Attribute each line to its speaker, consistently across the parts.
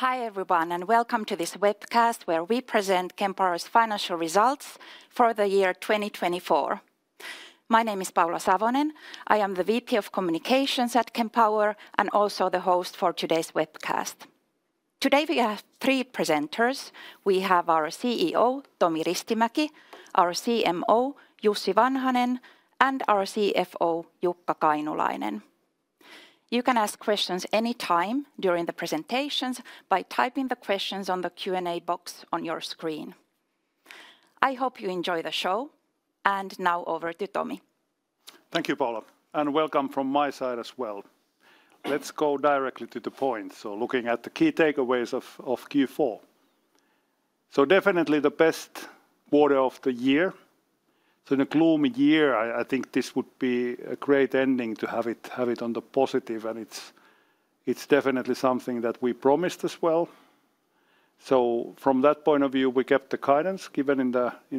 Speaker 1: Hi everyone and welcome to this webcast where we present Kempower's financial results for the year 2024. My name is Paula Savonen. I am the VP of Communications at Kempower and also the host for today's webcast. Today we have three presenters. We have our CEO, Tomi Ristimäki, our CMO, Jussi Vanhanen, and our CFO, Jukka Kainulainen. You can ask questions anytime during the presentations by typing the questions on the Q&A box on your screen. I hope you enjoy the show, and now over to Tomi.
Speaker 2: Thank you, Paula, and welcome from my side as well. Let's go directly to the point, so looking at the key takeaways of Q4. Definitely the best quarter of the year. In a gloomy year, I think this would be a great ending to have it on the positive, and it's definitely something that we promised as well. From that point of view, we kept the guidance given in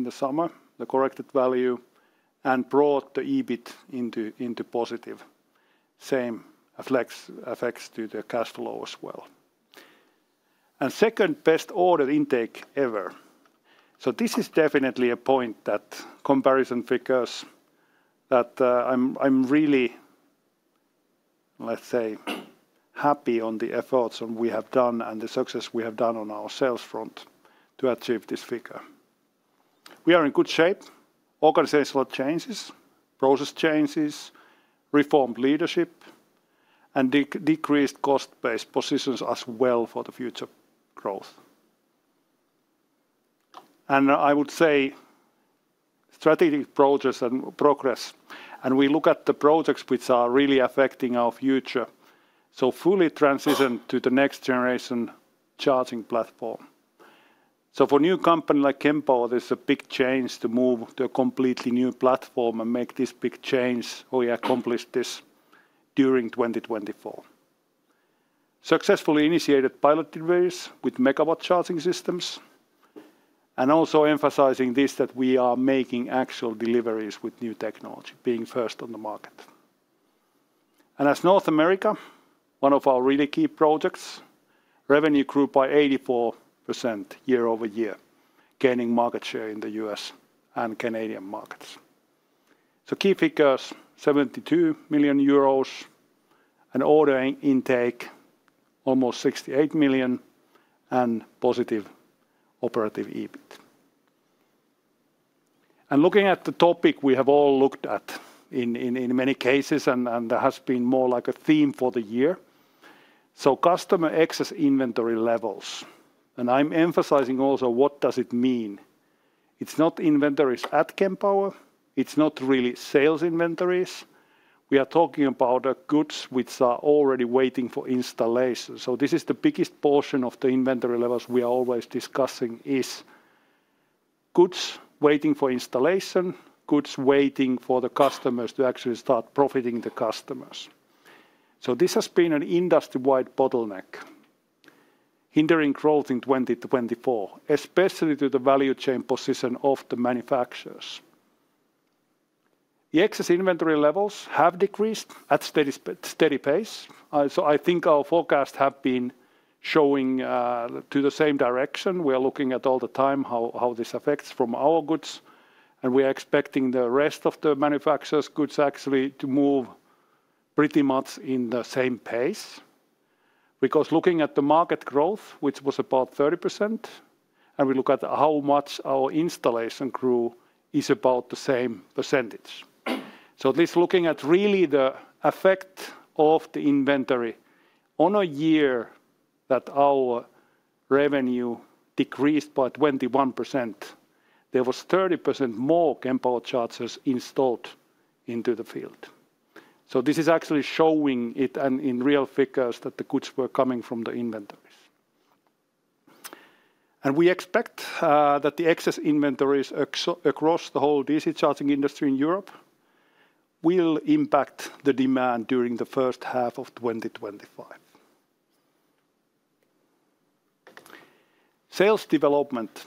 Speaker 2: the summer, the corrected value, and brought the EBIT into positive. Same effect on the cash flow as well, and second best order intake ever. This is definitely a point that comparison figures that I'm really, let's say, happy on the efforts we have done and the success we have done on our sales front to achieve this figure. We are in good shape. Organizational changes, process changes, reformed leadership, and decreased cost-based positions as well for the future growth. And I would say strategic progress and progress, and we look at the projects which are really affecting our future. So fully transitioned to the next generation charging platform. So for a new company like Kempower, there's a big change to move to a completely new platform and make this big change or accomplish this during 2024. Successfully initiated pilot deliveries with Megawatt Charging Systems, and also emphasizing this that we are making actual deliveries with new technology, being first on the market. And as North America, one of our really key projects, revenue grew by 84% year over year, gaining market share in the U.S. and Canadian markets. So key figures, 72 million euros, an order intake almost 68 million, and positive operative EBIT. Looking at the topic we have all looked at in many cases, and there has been more like a theme for the year. Customer excess inventory levels, and I'm emphasizing also what does it mean. It's not inventories at Kempower, it's not really sales inventories. We are talking about goods which are already waiting for installation. This is the biggest portion of the inventory levels we are always discussing is goods waiting for installation, goods waiting for the customers to actually start profiting the customers. This has been an industry-wide bottleneck, hindering growth in 2024, especially to the value chain position of the manufacturers. The excess inventory levels have decreased at a steady pace. I think our forecasts have been showing to the same direction. We are looking at all the time how this affects our goods, and we are expecting the rest of the manufacturers' goods actually to move pretty much in the same pace. Because looking at the market growth, which was about 30%, and we look at how much our installation grew is about the same percentage. So at least looking at really the effect of the inventory on a year that our revenue decreased by 21%, there was 30% more Kempower chargers installed into the field. So this is actually showing it in real figures that the goods were coming from the inventories. And we expect that the excess inventories across the whole DC charging industry in Europe will impact the demand during the first half of 2025. Sales development.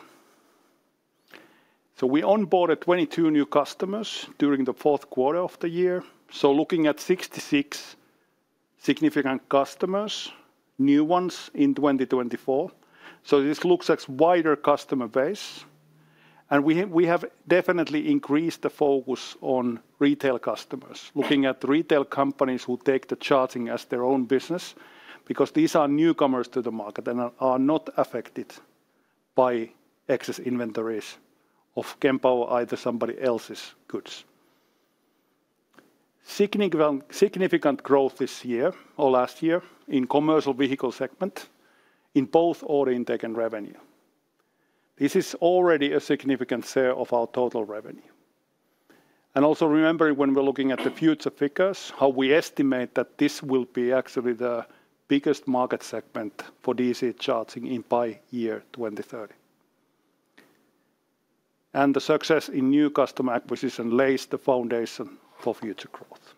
Speaker 2: So we onboarded 22 new customers during the fourth quarter of the year. Looking at 66 significant customers, new ones in 2024. This looks like a wider customer base. We have definitely increased the focus on retail customers, looking at retail companies who take the charging as their own business, because these are newcomers to the market and are not affected by excess inventories of Kempower either somebody else's goods. Significant growth this year or last year in Commercial Vehicle segment in both order intake and revenue. This is already a significant share of our total revenue. Also remembering when we're looking at the future figures, how we estimate that this will be actually the biggest market segment for DC charging in by year 2030. The success in new customer acquisition lays the foundation for future growth.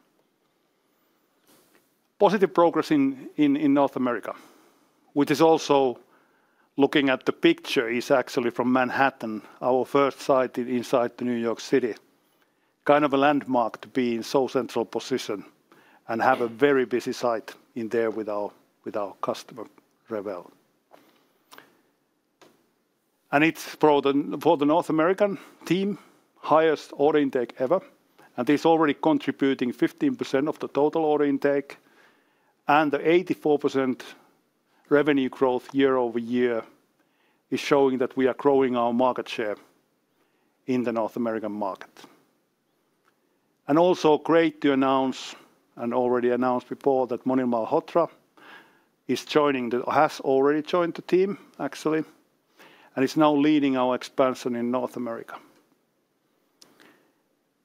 Speaker 2: Positive progress in North America, which is also looking at the picture, is actually from Manhattan, our first site inside New York City. Kind of a landmark to be in so central position and have a very busy site in there with our customer revenue. It's for the North American team highest order intake ever, and it's already contributing 15% of the total order intake. The 84% revenue growth year over year is showing that we are growing our market share in the North American market. Also great to announce, and already announced before, that Monil Malhotra has already joined the team, actually, and is now leading our expansion in North America.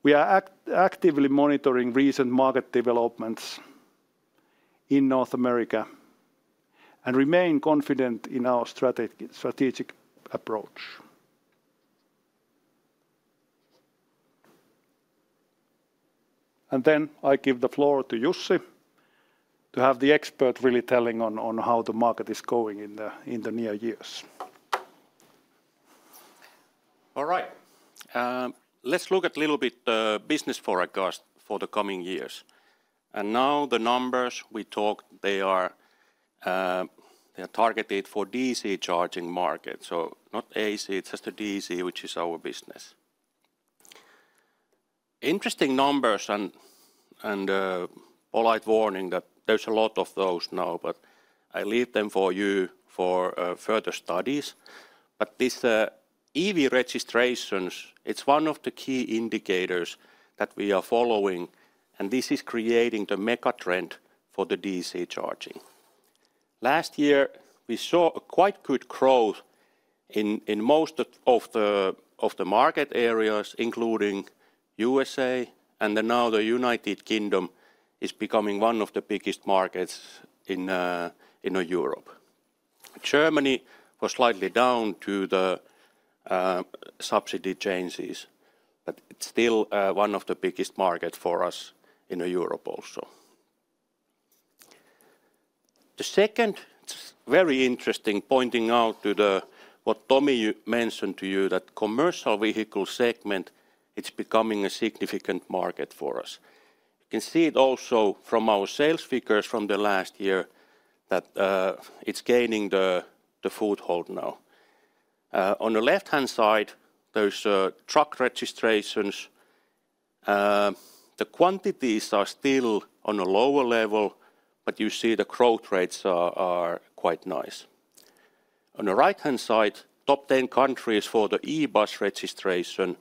Speaker 2: We are actively monitoring recent market developments in North America and remain confident in our strategic approach. Then I give the floor to Jussi to have the expert really telling on how the market is going in the near years.
Speaker 3: All right. Let's look at a little bit of business forecast for the coming years. Now the numbers we talked, they are targeted for DC charging market. Not AC, it's just a DC, which is our business. Interesting numbers and polite warning that there's a lot of those now, but I leave them for you for further studies. These EV registrations, it's one of the key indicators that we are following, and this is creating the mega trend for the DC charging. Last year, we saw quite good growth in most of the market areas, including USA, and now the United Kingdom is becoming one of the biggest markets in Europe. Germany was slightly down to the subsidy changes, but it's still one of the biggest markets for us in Europe also. The second, it's very interesting, pointing out to what Tomi mentioned to you, that Commercial Vehicle segment, it's becoming a significant market for us. You can see it also from our sales figures from the last year that it's gaining the foothold now. On the left-hand side, there's truck registrations. The quantities are still on a lower level, but you see the growth rates are quite nice. On the right-hand side, top 10 countries for the e-bus registration,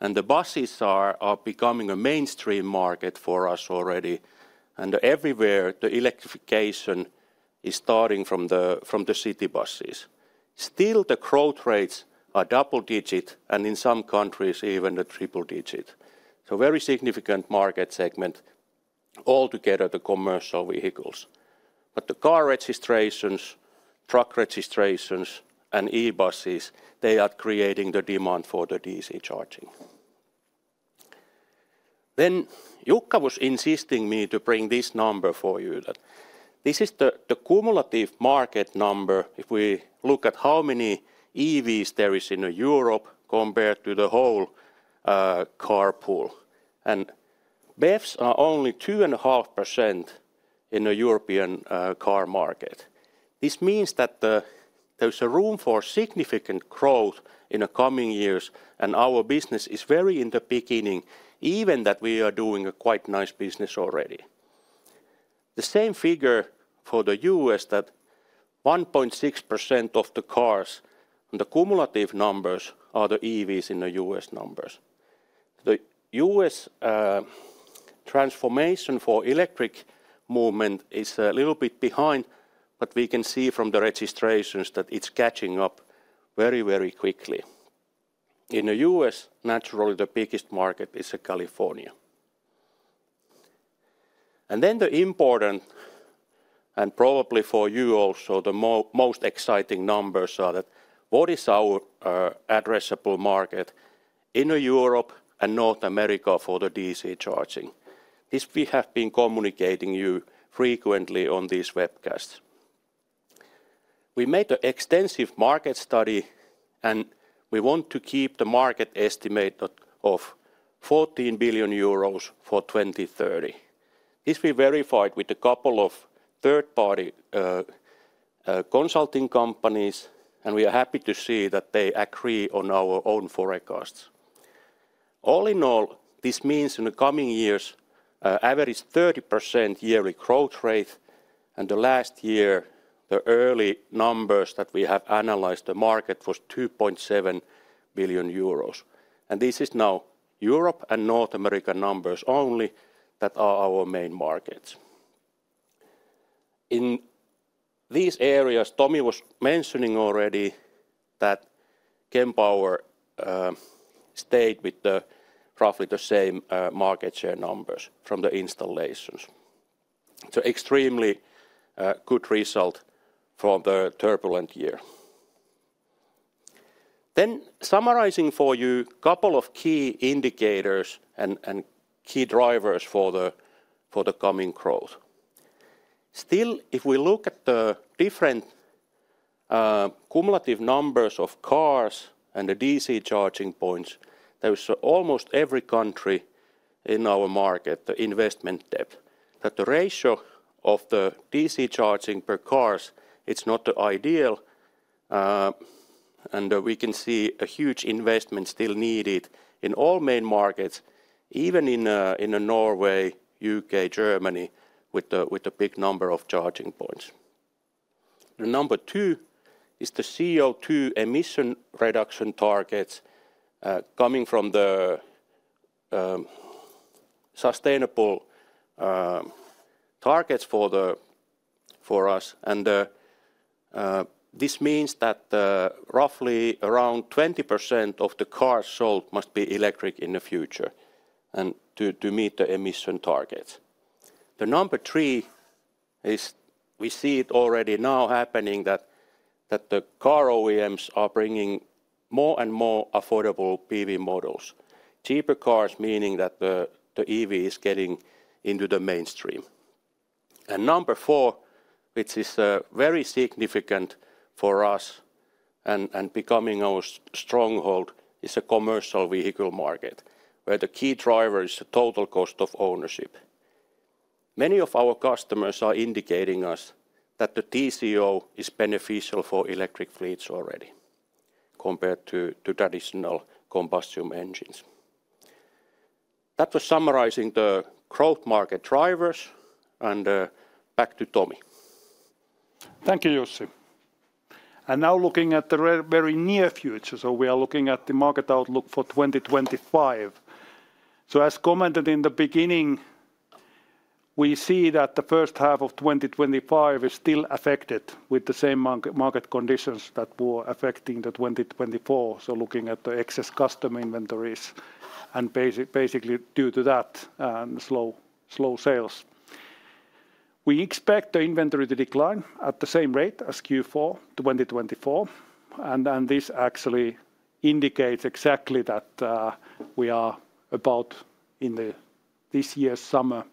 Speaker 3: and the buses are becoming a mainstream market for us already, and everywhere, the electrification is starting from the city buses. Still, the growth rates are double-digit, and in some countries, even the triple-digit. So very significant market segment, altogether the commercial vehicles, but the car registrations, truck registrations, and e-buses, they are creating the demand for the DC charging. Then Jukka was insisting me to bring this number for you. This is the cumulative market number if we look at how many EVs there are in Europe compared to the whole car pool. And BEVs are only 2.5% in the European car market. This means that there's room for significant growth in the coming years, and our business is very in the beginning, even that we are doing a quite nice business already. The same figure for the U.S., that 1.6% of the cars, the cumulative numbers are the EVs in the U.S. numbers. The U.S. transformation for electric movement is a little bit behind, but we can see from the registrations that it's catching up very, very quickly. In the U.S., naturally, the biggest market is California. And then the important, and probably for you also, the most exciting numbers are that what is our addressable market in Europe and North America for the DC charging. This we have been communicating to you frequently on these webcasts. We made an extensive market study, and we want to keep the market estimate of 14 billion euros for 2030. This we verified with a couple of third-party consulting companies, and we are happy to see that they agree on our own forecasts. All in all, this means in the coming years, average 30% yearly growth rate, and the last year, the early numbers that we have analyzed the market was 2.7 billion euros. And this is now Europe and North America numbers only that are our main markets. In these areas, Tomi was mentioning already that Kempower stayed with roughly the same market share numbers from the installations. Extremely good result for the turbulent year. Summarizing for you a couple of key indicators and key drivers for the coming growth. Still, if we look at the different cumulative numbers of cars and the DC charging points, there's almost every country in our market, the investment need. That the ratio of the DC charging per cars, it's not ideal, and we can see a huge investment still needed in all main markets, even in Norway, U.K., Germany, with a big number of charging points. The number two is the CO2 emission reduction targets coming from the sustainable targets for us. This means that roughly around 20% of the cars sold must be electric in the future and to meet the emission targets. The number three is we see it already now happening that the car OEMs are bringing more and more affordable BEV models. Cheaper cars meaning that the EV is getting into the mainstream and number four, which is very significant for us and becoming our stronghold, is a Commercial Vehicle market, where the key driver is the total cost of ownership. Many of our customers are indicating us that the TCO is beneficial for electric fleets already compared to traditional combustion engines. That was summarizing the growth market drivers, and back to Tomi.
Speaker 2: Thank you, Jussi. And now looking at the very near future, so we are looking at the market outlook for 2025. So as commented in the beginning, we see that the first half of 2025 is still affected with the same market conditions that were affecting the 2024. So looking at the excess customer inventories and basically due to that, slow sales. We expect the inventory to decline at the same rate as Q4 2024. And this actually indicates exactly that we are about in this year's summer,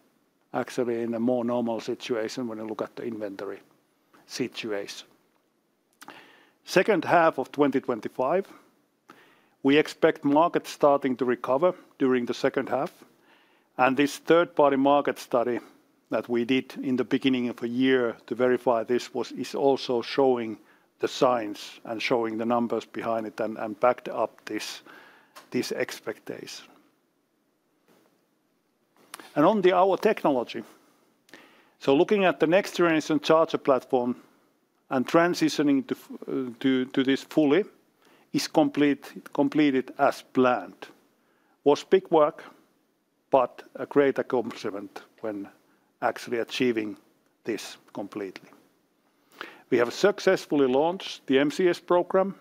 Speaker 2: actually in a more normal situation when you look at the inventory situation. Second half of 2025, we expect markets starting to recover during the second half. And this third-party market study that we did in the beginning of the year to verify this is also showing the signs and showing the numbers behind it and backed up this expectation. On our technology, so looking at the next generation charging platform and transitioning to this fully is completed as planned. It was big work, but a great accomplishment when actually achieving this completely. We have successfully launched the MCS program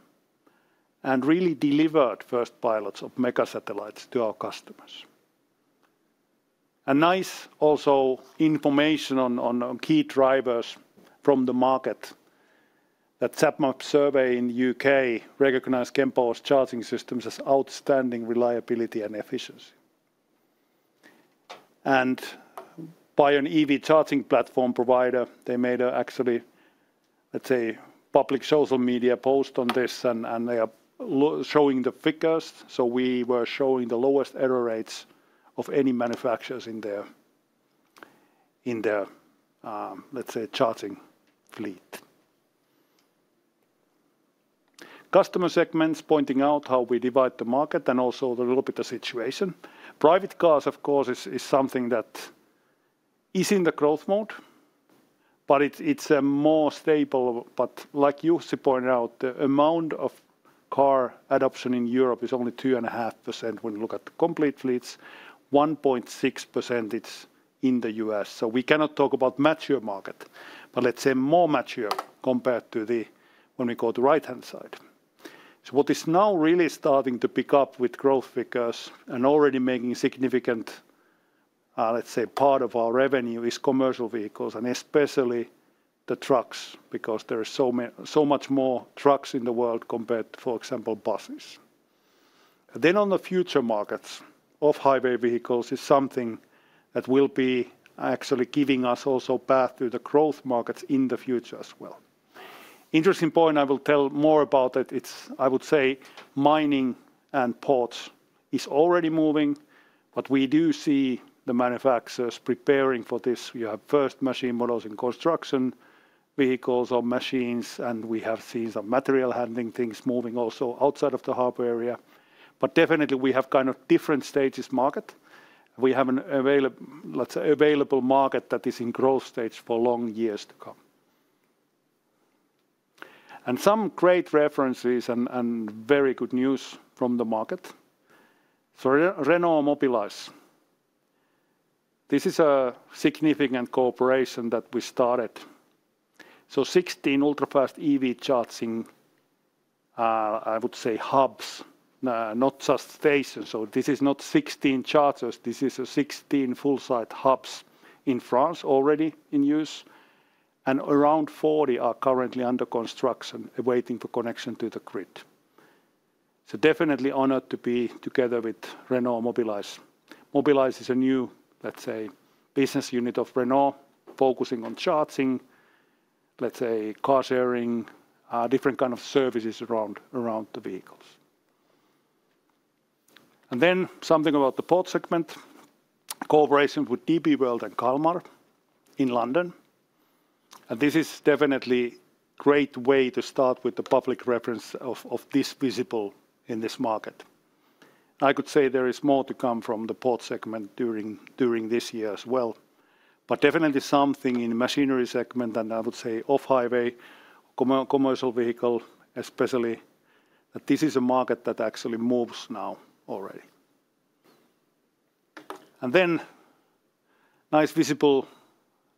Speaker 2: and really delivered first pilots of mega satellites to our customers. Nice also information on key drivers from the market that Zapmap survey in the UK recognized Kempower's charging systems as outstanding reliability and efficiency. And by an EV charging platform provider, they made an actually, let's say, public social media post on this, and they are showing the figures. We were showing the lowest error rates of any manufacturers in their, let's say, charging fleet. Customer segments pointing out how we divide the market and also a little bit of situation. Private cars, of course, is something that is in the growth mode, but it's more stable. But like Jussi pointed out, the amount of car adoption in Europe is only 2.5% when you look at complete fleets. 1.6% is in the U.S.. So we cannot talk about mature market, but let's say more mature compared to when we go to the right-hand side. So what is now really starting to pick up with growth figures and already making significant, let's say, part of our revenue is Commercial Vehicles and especially the trucks because there are so much more trucks in the world compared to, for example, buses. Then on the future markets of Off-highway Vehicles is something that will be actually giving us also path to the growth markets in the future as well. Interesting point, I will tell more about it. I would say mining and ports is already moving, but we do see the manufacturers preparing for this. We have first machine models in construction, vehicles or machines, and we have seen some material handling things moving also outside of the harbor area, but definitely we have kind of different stages market. We have an available market that is in growth stage for long years to come, and some great references and very good news from the market, so Renault Mobilize. This is a significant cooperation that we started, so 16 ultra-fast EV charging, I would say hubs, not just stations. So this is not 16 chargers, this is 16 full-size hubs in France already in use, and around 40 are currently under construction, waiting for connection to the grid, so definitely honored to be together with Renault Mobilize. Mobilize is a new, let's say, business unit of Renault focusing on charging, let's say, car sharing, different kinds of services around the vehicles. Then something about the port segment, cooperation with DP World and Kalmar in London. And this is definitely a great way to start with the public reference of this visible in this market. I could say there is more to come from the port segment during this year as well. But definitely something in the machinery segment and I would say Off-highway Commercial Vehicle especially, that this is a market that actually moves now already. And then nice visible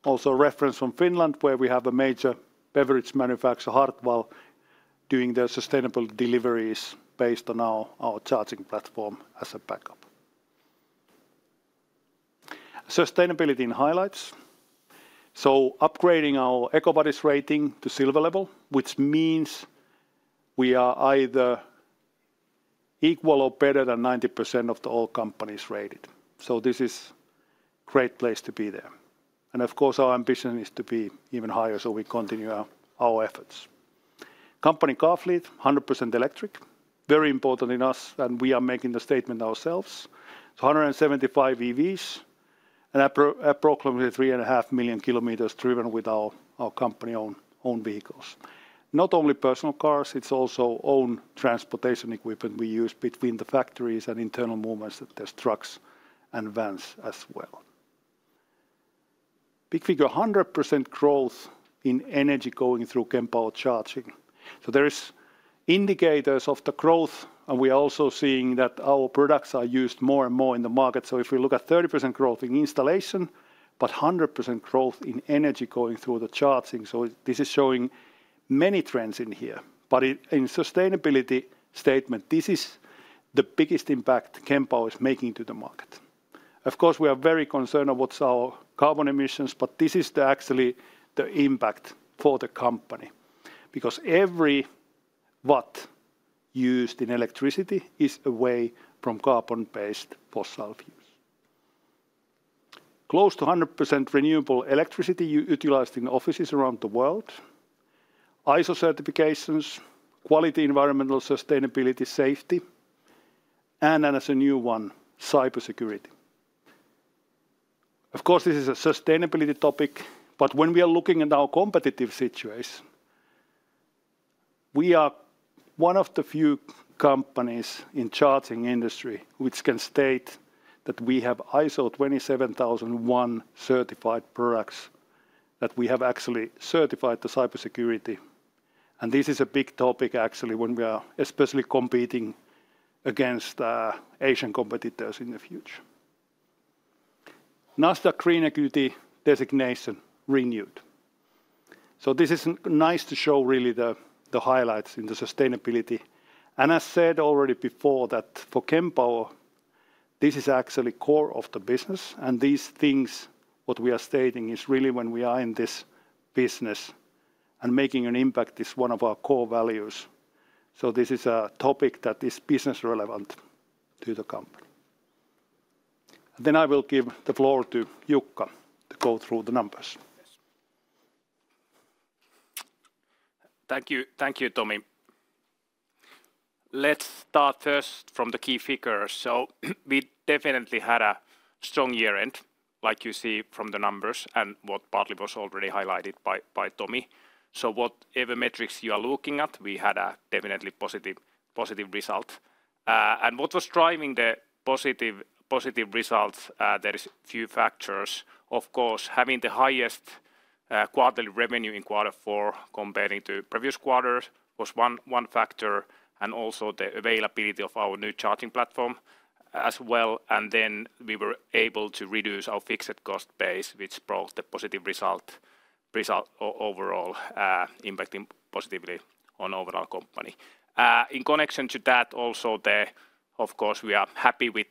Speaker 2: also reference from Finland where we have a major beverage manufacturer, Hartwall, doing their sustainable deliveries based on our charging platform as a backup. Sustainability in highlights. So upgrading our EcoVadis rating to Silver level, which means we are either equal or better than 90% of all companies rated. So this is a great place to be there. Of course, our ambition is to be even higher so we continue our efforts. Company car fleet, 100% electric, very important in the US and we are making the statement ourselves. So 175 EVs and approximately 3.5 million kilometers driven with our company-owned vehicles. Not only personal cars, it's also own transportation equipment we use between the factories and internal movements that there's trucks and vans as well. Big figure, 100% growth in energy going through Kempower charging. So there are indicators of the growth and we are also seeing that our products are used more and more in the market. So if we look at 30% growth in installation, but 100% growth in energy going through the charging. So this is showing many trends in here. But in sustainability statement, this is the biggest impact Kempower is making to the market. Of course, we are very concerned about our carbon emissions, but this is actually the impact for the company. Because every watt used in electricity is away from carbon-based fossil fuels. Close to 100% renewable electricity utilized in offices around the world. ISO certifications, quality, environmental sustainability, safety, and as a new one, cybersecurity. Of course, this is a sustainability topic, but when we are looking at our competitive situation, we are one of the few companies in the charging industry which can state that we have ISO 27001 certified products that we have actually certified the cybersecurity. And this is a big topic actually when we are especially competing against Asian competitors in the future. Nasdaq Green Equity designation renewed. So this is nice to show really the highlights in the sustainability. And as said already before that for Kempower, this is actually core of the business. And these things what we are stating is really when we are in this business and making an impact is one of our core values. So this is a topic that is business relevant to the company. Then I will give the floor to Jukka to go through the numbers.
Speaker 3: Thank you, Tomi. Let's start first from the key figures. We definitely had a strong year-end, like you see from the numbers and what partly was already highlighted by Tomi. Whatever metrics you are looking at, we had a definitely positive result. What was driving the positive results? There are a few factors. Of course, having the highest quarterly revenue in Quarter Four comparing to previous quarters was one factor. Also the availability of our new charging platform as well. Then we were able to reduce our fixed cost base, which brought the positive result overall, impacting positively on overall company. In connection to that also, of course, we are happy with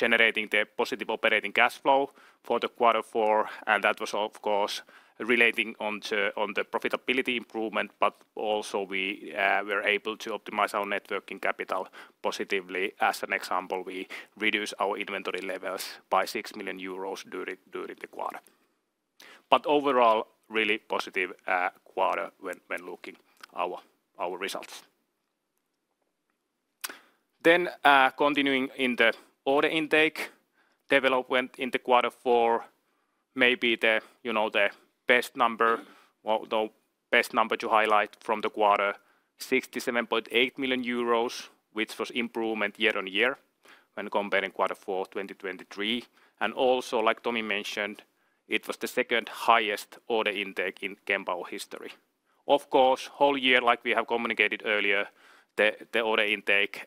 Speaker 3: generating the positive operating cash flow for the Quarter Four. That was of course relating to the profitability improvement, but also we were able to optimize our working capital positively. As an example, we reduced our inventory levels by 6 million euros during the quarter, but overall, really positive quarter when looking at our results. Continuing in the order intake development in quarter four, maybe the best number to highlight from the quarter, 67.8 million euros, which was improvement year on year when comparing Quarter Four 2023, and also, like Tomi mentioned, it was the second highest order intake in Kempower history. Of course, whole year, like we have communicated earlier, the order intake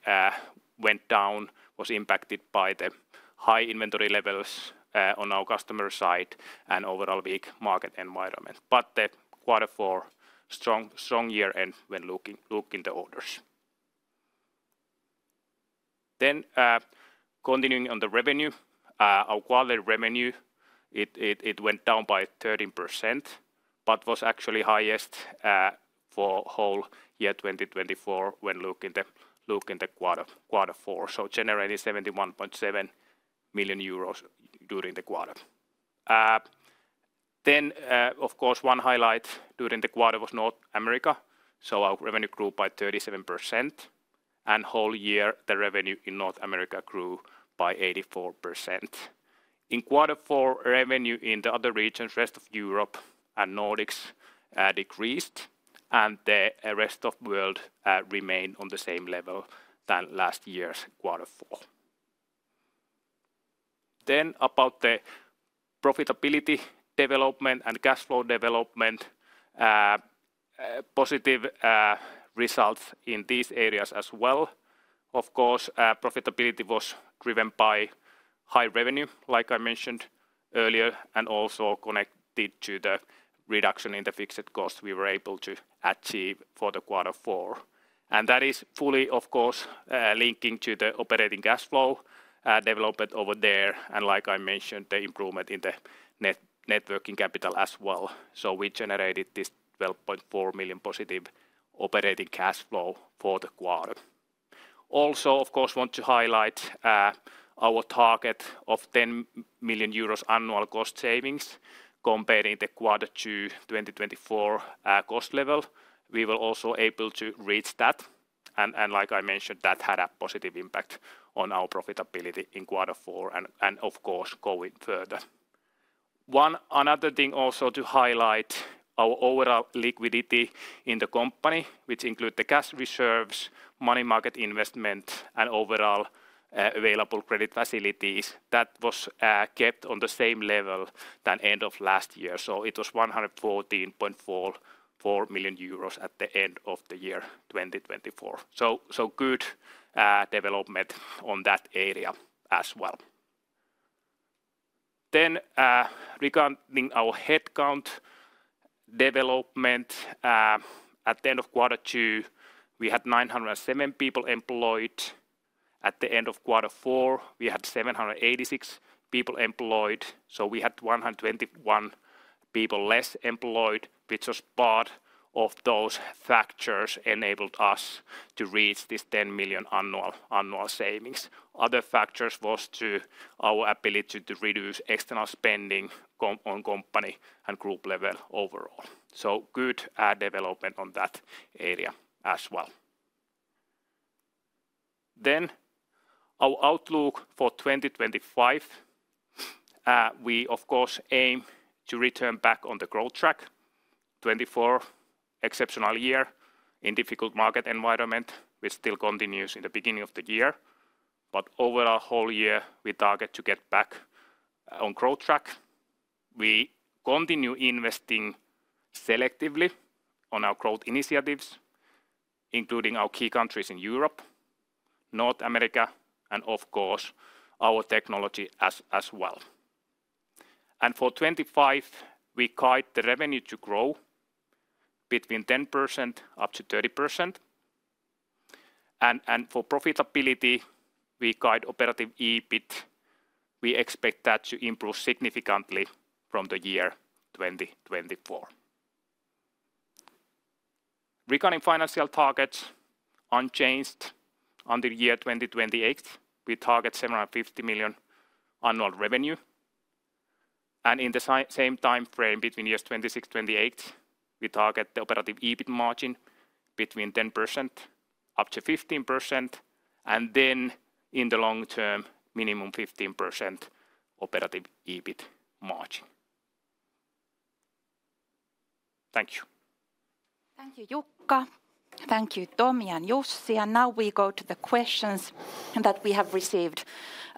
Speaker 3: went down, was impacted by the high inventory levels on our customer side and overall weak market environment, but Quarter Four, strong year-end when looking at the orders. Continuing on the revenue, our quarterly revenue, it went down by 13%, but was actually highest for whole year 2024 when looking at Quarter Four. So, generating 71.7 million euros during the quarter. Then, of course, one highlight during the quarter was North America. So, our revenue grew by 37%. And whole year, the revenue in North America grew by 84%. In Quarter Four, revenue in the other regions, rest of Europe and Nordics, decreased. And the rest of the world remained on the same level as last year's Quarter Four. Then, about the profitability development and cash flow development, positive results in these areas as well. Of course, profitability was driven by high revenue, like I mentioned earlier, and also connected to the reduction in the fixed costs we were able to achieve for the Quarter Four. And that is fully, of course, linking to the operating cash flow development over there. And, like I mentioned, the improvement in the working capital as well. So we generated this 12.4 million positive operating cash flow for the quarter. Also, of course, want to highlight our target of 10 million euros annual cost savings comparing the Quarter Two 2024 cost level. We were also able to reach that. And like I mentioned, that had a positive impact on our profitability in Quarter Four and, of course, going further. One another thing also to highlight our overall liquidity in the company, which included the cash reserves, money market investment, and overall available credit facilities. That was kept on the same level than end of last year. So it was 114.4 million euros at the end of the year 2024. So good development on that area as well. Then regarding our headcount development, at the end of Quarter Two, we had 907 people employed. At the end of Quarter Four, we had 786 people employed. So we had 121 people less employed, which was part of those factors enabled us to reach this 10 million annual savings. Other factors was to our ability to reduce external spending on company and group level overall. So good development on that area as well. Then our outlook for 2025, we of course aim to return back on the growth track. 2024, exceptional year in difficult market environment, which still continues in the beginning of the year. But over our whole year, we target to get back on growth track. We continue investing selectively on our growth initiatives, including our key countries in Europe, North America, and of course our technology as well. And for 2025, we guide the revenue to grow between 10% up to 30%. And for profitability, we guide operative EBIT. We expect that to improve significantly from the year 2024. Regarding financial targets, unchanged until year 2028, we target 750 million annual revenue. In the same timeframe between years 2026 and 2028, we target the Operative EBIT margin between 10% up to 15%. Then in the long term, minimum 15% Operative EBIT margin. Thank you.
Speaker 1: Thank you, Jukka. Thank you, Tomi and Jussi. And now we go to the questions that we have received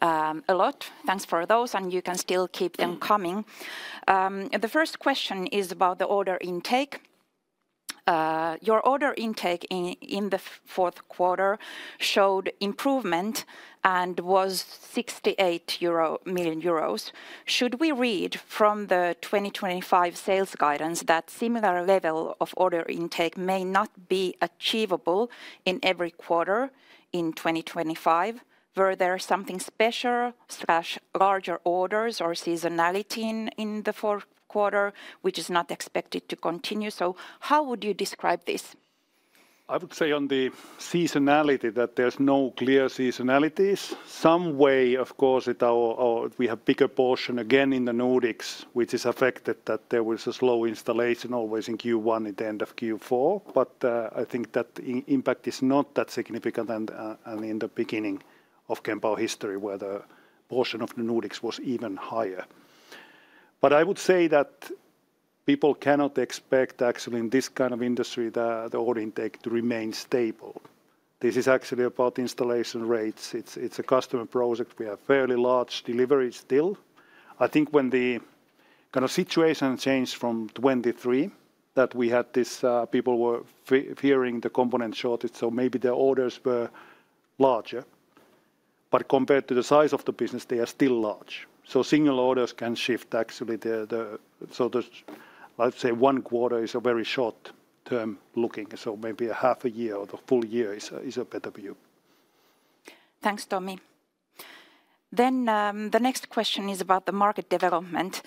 Speaker 1: a lot. Thanks for those, and you can still keep them coming. The first question is about the order intake. Your order intake in the fourth quarter showed improvement and was 68 million euro. Should we read from the 2025 sales guidance that similar level of order intake may not be achievable in every quarter in 2025? Were there something special or larger orders or seasonality in the fourth quarter, which is not expected to continue? So how would you describe this?
Speaker 2: I would say on the seasonality that there's no clear seasonalities. Some way, of course, we have a bigger portion again in the Nordics, which is affected that there was a slow installation always in Q1 at the end of Q4. But I think that impact is not that significant and in the beginning of Kempower history, where the portion of the Nordics was even higher. But I would say that people cannot expect actually in this kind of industry the order intake to remain stable. This is actually about installation rates. It's a customer project. We have fairly large deliveries still. I think when the kind of situation changed from 2023, that we had this people were fearing the component shortage, so maybe the orders were larger. But compared to the size of the business, they are still large. Single orders can shift, actually, the sort of. I'd say one quarter is a very short-term looking. Maybe a half a year or the full year is a better view.
Speaker 1: Thanks, Tomi. Then the next question is about the market development.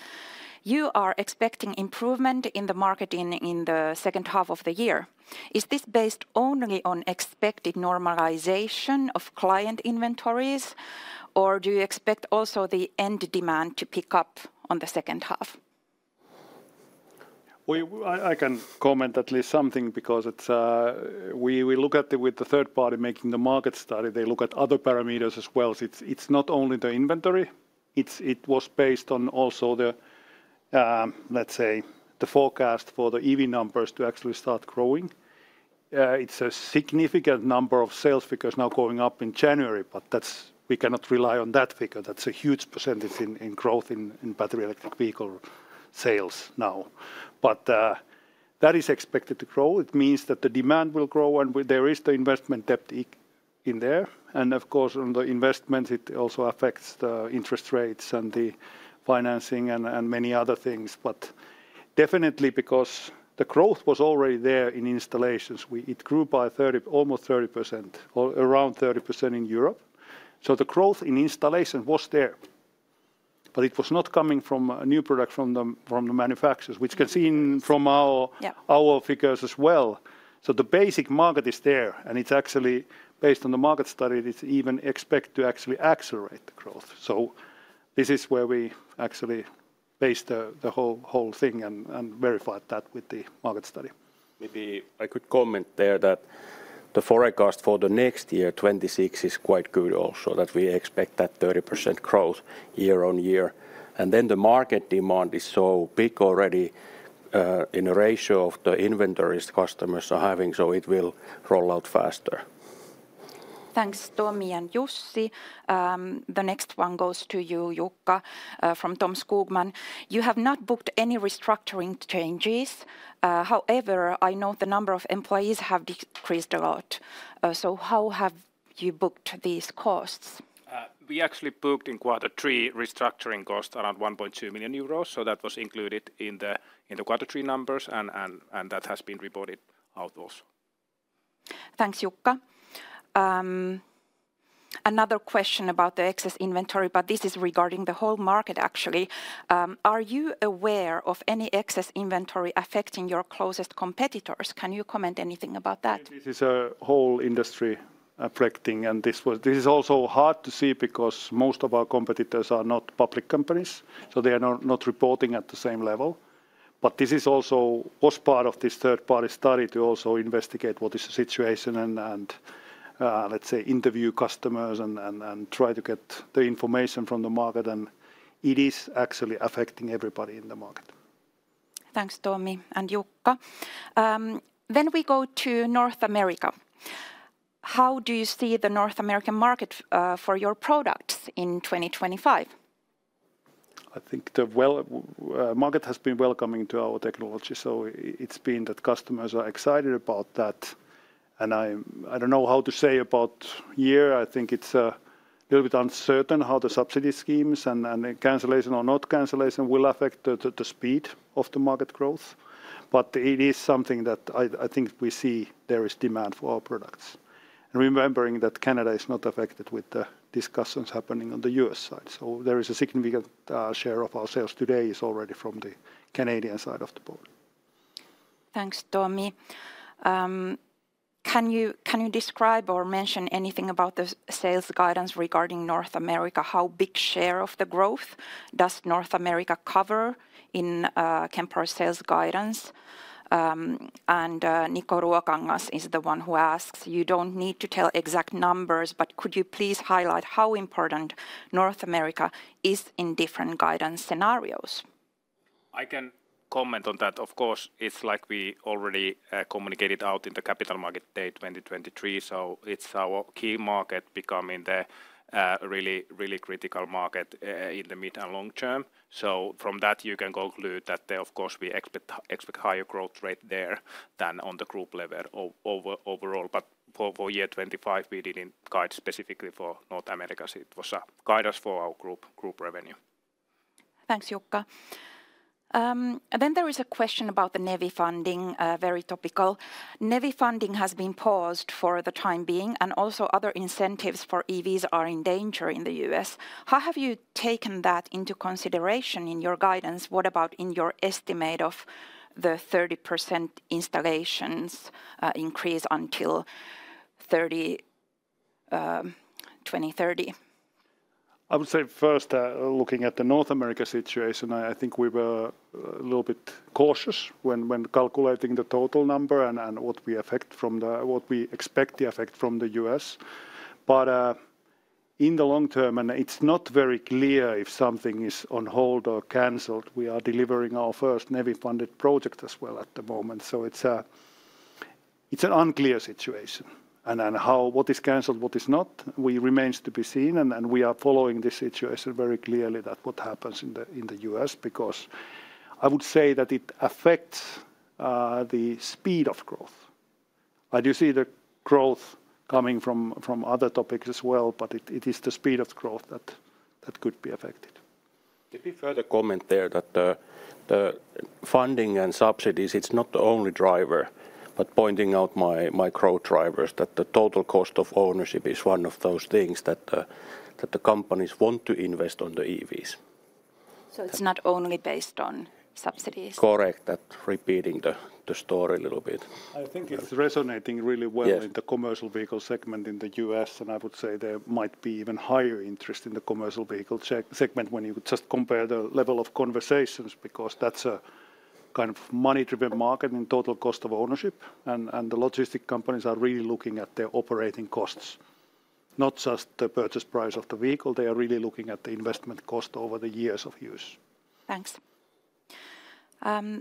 Speaker 1: You are expecting improvement in the market in the second half of the year. Is this based only on expected normalization of client inventories, or do you expect also the end demand to pick up on the second half?
Speaker 2: I can comment at least something because we look at it with the third party making the market study. They look at other parameters as well. It's not only the inventory. It was based on also the, let's say, the forecast for the EV numbers to actually start growing. It's a significant number of sales figures now going up in January, but we cannot rely on that figure. That's a huge percentage in growth in Battery Electric Vehicle sales now. But that is expected to grow. It means that the demand will grow and there is the investment depth in there. And of course, on the investments, it also affects the interest rates and the financing and many other things. But definitely because the growth was already there in installations, it grew by almost 30%, around 30% in Europe. So the growth in installation was there. It was not coming from new products from the manufacturers, which you can see from our figures as well. The basic market is there. It's actually based on the market study, and it's even expected to actually accelerate the growth. This is where we actually based the whole thing and verified that with the market study.
Speaker 3: Maybe I could comment there that the forecast for the next year, 2026, is quite good also, that we expect that 30% growth year on year, and then the market demand is so big already in a ratio of the inventories customers are having, so it will roll out faster.
Speaker 1: Thanks, Tomi and Jussi. The next one goes to you, Jukka, from Tom Skogman. You have not booked any restructuring changes. However, I know the number of employees have decreased a lot. So how have you booked these costs?
Speaker 4: We actually booked in quarter three restructuring costs around 1.2 million euros. So that was included in the quarter three numbers and that has been reported out also.
Speaker 1: Thanks, Jukka. Another question about the excess inventory, but this is regarding the whole market actually. Are you aware of any excess inventory affecting your closest competitors? Can you comment anything about that?
Speaker 2: This is a whole industry affecting, and this is also hard to see because most of our competitors are not public companies, so they are not reporting at the same level, but this also was part of this third-party study to also investigate what is the situation and, let's say, interview customers and try to get the information from the market, and it is actually affecting everybody in the market.
Speaker 1: Thanks, Tomi and Jukka. Then we go to North America. How do you see the North American market for your products in 2025?
Speaker 2: I think the market has been welcoming to our technology. So it's been that customers are excited about that. And I don't know how to say about the year. I think it's a little bit uncertain how the subsidy schemes and cancellation or not cancellation will affect the speed of the market growth. But it is something that I think we see there is demand for our products. And remembering that Canada is not affected with the discussions happening on the U.S. side. So there is a significant share of our sales today is already from the Canadian side of the border.
Speaker 1: Thanks, Tomi. Can you describe or mention anything about the sales guidance regarding North America? How big share of the growth does North America cover in Kempower sales guidance? And Nikko Ruokangas is the one who asks, you don't need to tell exact numbers, but could you please highlight how important North America is in different guidance scenarios?
Speaker 4: I can comment on that. Of course, it's like we already communicated out in the Capital Markets Day 2023. So it's our key market becoming the really, really critical market in the mid and long term. So from that, you can conclude that there, of course, we expect higher growth rate there than on the group level overall. But for year 2025, we didn't guide specifically for North America. It was a guidance for our group revenue.
Speaker 1: Thanks, Jukka. Then there is a question about the NEVI funding, very topical. NEVI funding has been paused for the time being, and also other incentives for EVs are in danger in the U.S. How have you taken that into consideration in your guidance? What about in your estimate of the 30% installations increase until 2030?
Speaker 2: I would say first, looking at the North America situation, I think we were a little bit cautious when calculating the total number and what we expect the effect from the US, but in the long term, and it's not very clear if something is on hold or canceled, we are delivering our first NEVI funded project as well at the moment. So it's an unclear situation, and what is canceled, what is not, remains to be seen. We are following this situation very clearly that what happens in the US, because I would say that it affects the speed of growth. You see the growth coming from other topics as well, but it is the speed of growth that could be affected.
Speaker 3: Let me further comment there that the funding and subsidies. It's not the only driver, but pointing out my growth drivers that the total cost of ownership is one of those things that the companies want to invest on the EVs.
Speaker 1: So it's not only based on subsidies.
Speaker 3: Correct, that repeating the story a little bit.
Speaker 2: I think it's resonating really well in the Commercial Vehicle segment in the U.S., and I would say there might be even higher interest in the Commercial Vehicle segment when you just compare the level of conversations, because that's a kind of money-driven market in Total Cost of Ownership, and the logistics companies are really looking at their operating costs, not just the purchase price of the vehicle. They are really looking at the investment cost over the years of use.
Speaker 1: Thanks.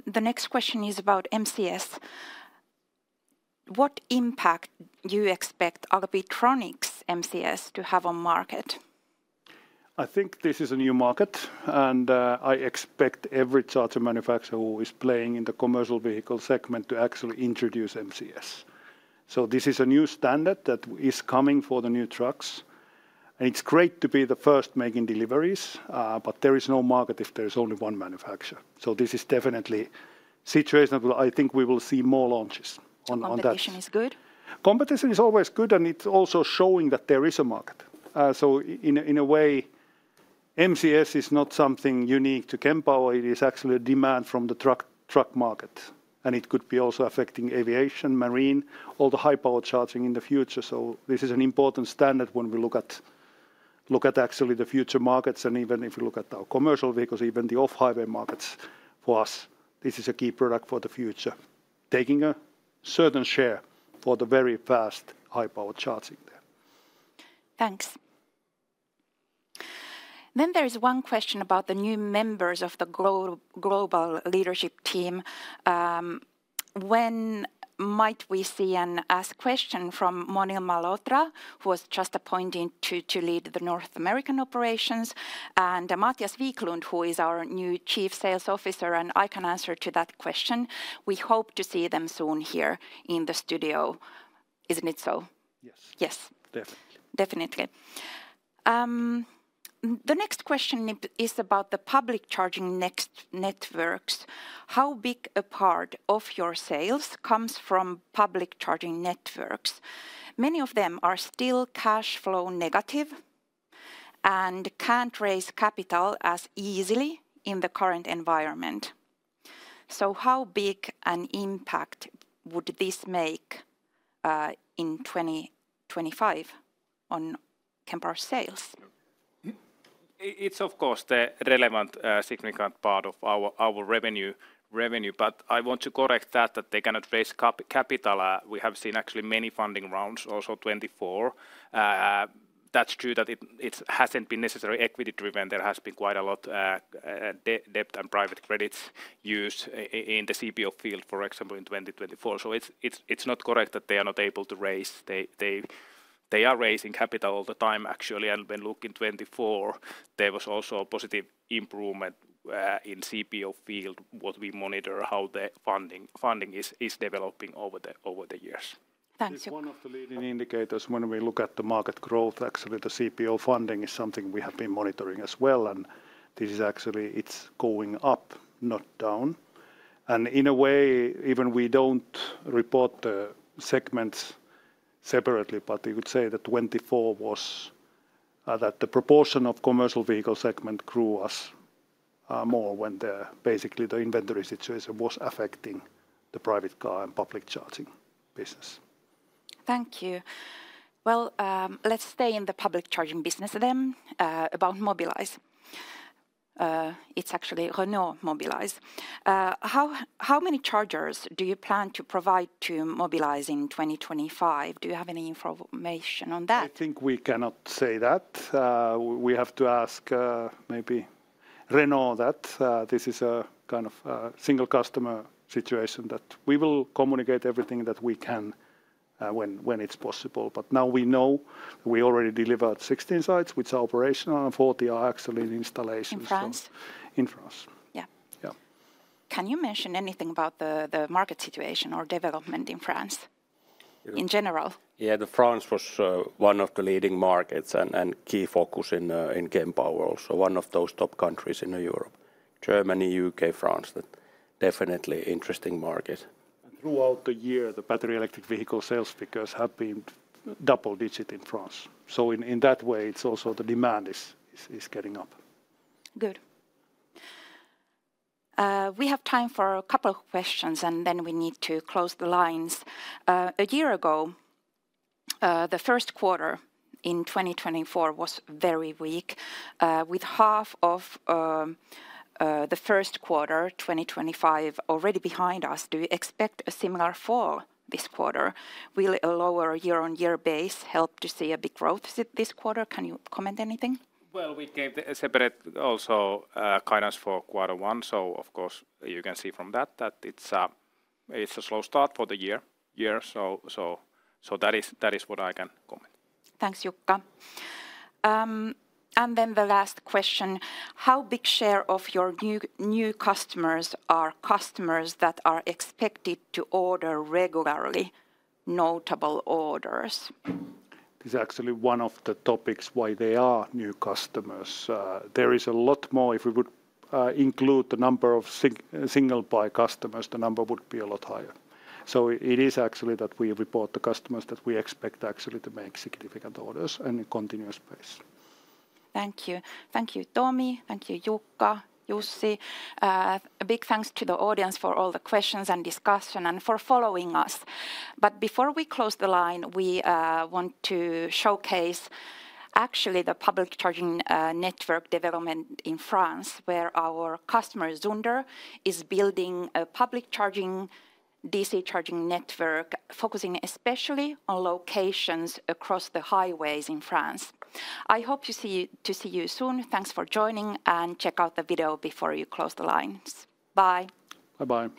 Speaker 1: The next question is about MCS. What impact do you expect Alpitronic's MCS to have on market?
Speaker 2: I think this is a new market, and I expect every charger manufacturer who is playing in the Commercial Vehicle segment to actually introduce MCS, so this is a new standard that is coming for the new trucks, and it's great to be the first making deliveries, but there is no market if there is only one manufacturer, so this is definitely a situation that I think we will see more launches on that.
Speaker 1: Competition is good?
Speaker 2: Competition is always good, and it's also showing that there is a market. So in a way, MCS is not something unique to Kempower. It is actually a demand from the truck market. And it could be also affecting aviation, marine, all the high-power charging in the future. So this is an important standard when we look at actually the future markets. And even if we look at our Commercial Vehicles, even the off-highway markets for us, this is a key product for the future, taking a certain share for the very fast high-power charging there.
Speaker 1: Thanks. There is one question about the new members of the Global Leadership Team. When might we see them answer a question from Monil Malhotra, who was just appointed to lead the North American operations, and Mathias Viklund, who is our new Chief Sales Officer, and I can answer to that question. We hope to see them soon here in the studio. Isn't it so?
Speaker 2: Yes.
Speaker 1: Yes.
Speaker 2: Definitely.
Speaker 1: Definitely. The next question is about the public charging networks. How big a part of your sales comes from public charging networks? Many of them are still cash flow negative and can't raise capital as easily in the current environment. So how big an impact would this make in 2025 on Kempower sales?
Speaker 3: It's of course the relevant significant part of our revenue. But I want to correct that they cannot raise capital. We have seen actually many funding rounds, also 2024. That's true that it hasn't been necessarily equity-driven. There has been quite a lot of debt and private credits used in the CPO field, for example, in 2024. So it's not correct that they are not able to raise. They are raising capital all the time, actually. And when looking in 2024, there was also a positive improvement in the CPO field, what we monitor, how the funding is developing over the years.
Speaker 1: Thanks.
Speaker 2: One of the leading indicators, when we look at the market growth, actually the CPO funding is something we have been monitoring as well. And this is actually, it's going up, not down. And in a way, even we don't report the segments separately, but we would say that 2024 was that the proportion of Commercial Vehicle segment grew us more when basically the inventory situation was affecting the private car and public charging business.
Speaker 1: Thank you. Let's stay in the public charging business then. About Mobilize. It's actually Renault Mobilize. How many chargers do you plan to provide to Mobilize in 2025? Do you have any information on that?
Speaker 2: I think we cannot say that. We have to ask maybe Renault that this is a kind of single customer situation that we will communicate everything that we can when it's possible. But now we know we already delivered 16 sites, which are operational, and 40 are actually in installation sites.
Speaker 1: In France?
Speaker 2: In France.
Speaker 1: Yeah. Can you mention anything about the market situation or development in France in general?
Speaker 3: Yeah, France was one of the leading markets and key focus in Kempower also. One of those top countries in Europe. Germany, U.K., France. Definitely interesting market.
Speaker 2: Throughout the year, the battery electric vehicle sales figures have been double-digit in France. So in that way, it's also the demand is getting up.
Speaker 1: Good. We have time for a couple of questions, and then we need to close the lines. A year ago, the first quarter in 2024 was very weak, with half of the first quarter 2025 already behind us. Do you expect a similar fall this quarter? Will a lower year-on-year base help to see a big growth this quarter? Can you comment anything?
Speaker 4: We gave separate also guidance for Quarter One. Of course, you can see from that that it's a slow start for the year. That is what I can comment.
Speaker 1: Thanks, Jukka. And then the last question. How big share of your new customers are customers that are expected to order regularly notable orders?
Speaker 2: This is actually one of the topics why they are new customers. There is a lot more. If we would include the number of single-buy customers, the number would be a lot higher. So it is actually that we report to customers that we expect actually to make significant orders in a continuous basis.
Speaker 1: Thank you. Thank you, Tomi. Thank you, Jukka, Jussi. Big thanks to the audience for all the questions and discussion and for following us. But before we close the line, we want to showcase actually the public charging network development in France, where our customer Zunder is building a public charging DC charging network, focusing especially on locations across the highways in France. I hope to see you soon. Thanks for joining and check out the video before you close the lines. Bye.
Speaker 2: Bye-bye.